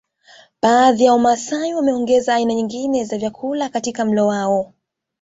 Baadhi ya wamasai wameongeza aina nyingine za vyakula katika mlo wao